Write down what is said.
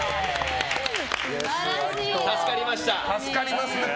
助かりました。